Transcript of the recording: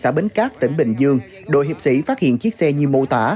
xã bến cát tỉnh bình dương đội hiệp sĩ phát hiện chiếc xe như mô tả